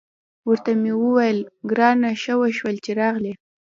ورته مې وویل: ګرانې، ښه وشول چې راغلې.